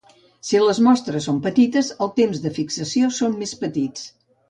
Si les mostres són petites, els temps de fixació són més petits.